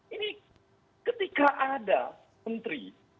ini ketika ada menteri